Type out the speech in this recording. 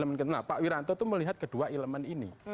nah pak wiranto itu melihat kedua elemen ini